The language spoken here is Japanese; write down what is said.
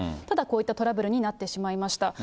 ただ、こういったトラブルになってしまいました。